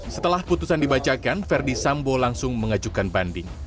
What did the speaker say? setelah putusan dibacakan verdi sambo langsung mengajukan banding